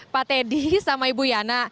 pak teddy sama ibu yana